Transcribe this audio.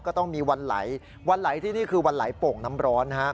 ก็ต้องมีวันไหลวันไหลที่นี่คือวันไหลโป่งน้ำร้อน